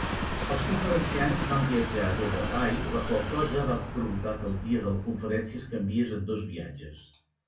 Els conferenciants van viatjar des de Rye, la qual cosa va provocar que el dia de la conferència es canviés en dos viatges.